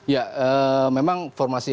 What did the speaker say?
ya memang formasi empat dua tiga satu ya